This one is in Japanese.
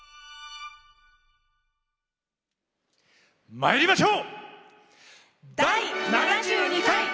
まいりましょう！